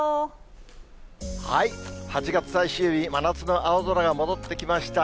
８月最終日、真夏の青空が戻ってきました。